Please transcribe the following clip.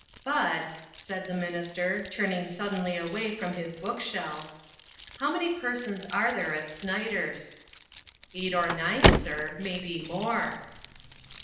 " Bud," said the minister, turning sud denly away from his book shelves, " how many persons are there at Snyder's ?"" Eight or nine, sir ; maybe more."